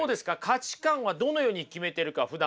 価値観はどのように決めてるかふだんから。